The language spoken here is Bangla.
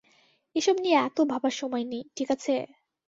এসব নিয়ে এতো ভাবার সময় নেই, ঠিক আছে?